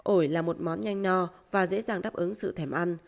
ổi là một món nhanh no và dễ dàng đáp ứng sự thèm ăn